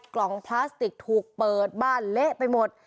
กล่องพลาสติกถูกเปิดบ้านเละไปหมด